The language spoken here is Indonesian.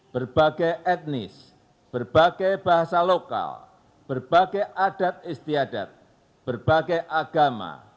berbagai etnis berbagai bahasa lokal berbagai adat istiadat berbagai agama